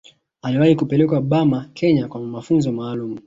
Aliwahi kupelekwa Burma Kenya kwa mafunzo maalumu